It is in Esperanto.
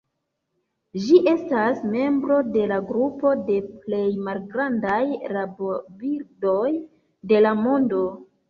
Ĝi estas membro de la grupo de plej malgrandaj rabobirdoj de la mondo.